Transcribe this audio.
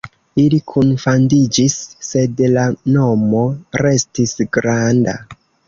Ili kunfandiĝis, sed la nomo restis "Granda".